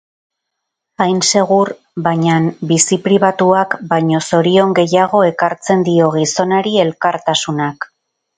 Hain segur, bainan bizi pribatuak baino zorion gehiago ekartzen dio gizonari elkartasunak.